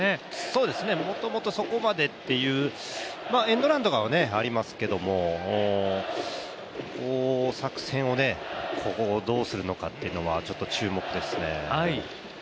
もともとそこまでっていう、エンドランとかはありますけど、作戦をどうするのかっていうのはちょっと注目ですね。